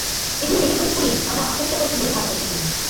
এগুলো দেহে প্রবেশ করিয়েই তাঁরা আত্মহত্যা করেছেন বলে ধারণা করছেন তিনি।